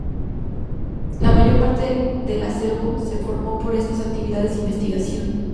La mayor parte del acervo se formó por estas actividades de investigación.